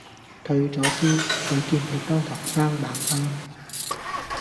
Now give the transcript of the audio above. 退左燒，你見佢當堂生猛返